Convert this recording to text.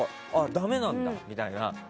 だめなんだみたいな。